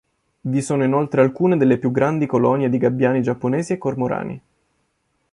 Vi sono inoltre alcune delle più grandi colonie di gabbiani giapponesi e cormorani.